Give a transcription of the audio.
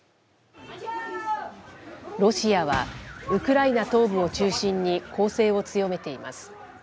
ロシアは、ウクライナ東部を中心に攻勢を強めています。